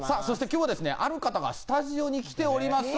今日はある方がスタジオに来ております。